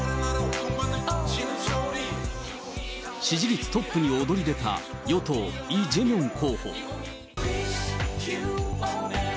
支持率トップに躍り出た与党、イ・ジェミョン候補。